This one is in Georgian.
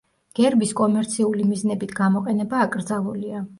გერბის კომერციული მიზნებით გამოყენება აკრძალულია.